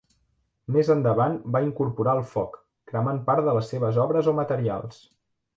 Més endavant va incorporar el foc, cremant part de les seves obres o materials.